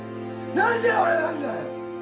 何で俺なんだよ！